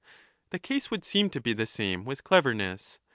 The case would seem to be the same with cleverness.